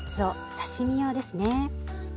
刺身用ですね。